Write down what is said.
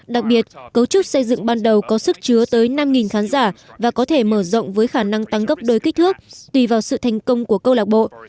đặc biệt cấu trúc xây dựng ban đầu có sức chứa tới năm khán giả và có thể mở rộng với khả năng tăng gấp đôi kích thước tùy vào sự thành công của câu lạc bộ